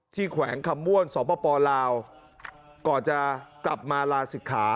แขวงคำม่วนสปลาวก่อนจะกลับมาลาศิกขา